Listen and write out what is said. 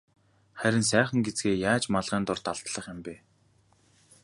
Харин сайхан гэзгээ яаж малгайн дор далдлах юм бэ?